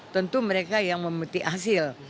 tentu mereka yang memetik hasil